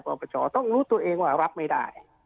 ปปชต้องรู้ตัวเองว่ารับไม่ได้